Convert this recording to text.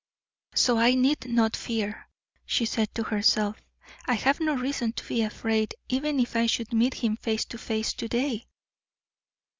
"So I need not fear," she said to herself. "I have no reason to be afraid, even if I should meet him face to face to day!"